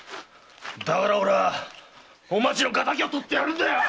だから俺はおまちの敵をとってやるんだよ！